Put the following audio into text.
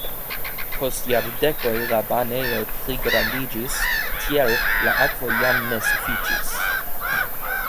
Post jardekoj la banejo pligrandiĝis, tial la akvo jam ne sufiĉis.